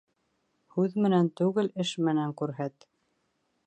Һүҙ менән түгел, эш менән күрһәт.